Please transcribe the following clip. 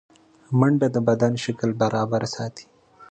منډه د بدن شکل برابر ساتي